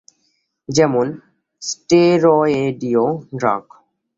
যেমন: স্টেরয়েডীয় ড্রাগ।